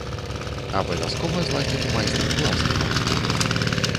Абавязкова зладзім майстар-клас на танцполе.